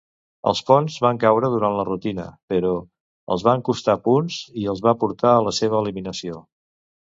Els ponts van caure durant la rutina, però, els van costar punts i els va portar a la seva eliminació.